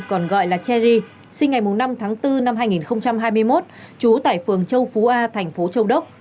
còn gọi là cherry sinh ngày năm tháng bốn năm hai nghìn hai mươi một trú tại phường châu phú a thành phố châu đốc